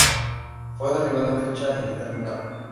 Fue derribado en fecha indeterminada.